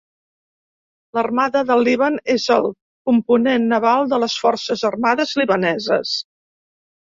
L'Armada del Líban, és el component naval de les forces armades libaneses.